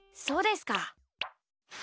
そうですか。